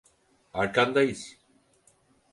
Arkandayız.